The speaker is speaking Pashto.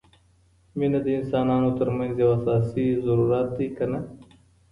مینه د انسانانو ترمنځ یو اساسي ضرورت دی که نه؟